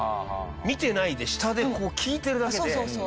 見てないで下でこう聞いてるだけで。